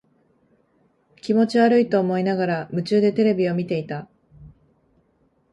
気持ち悪いと思いながら、夢中でテレビを見ていた。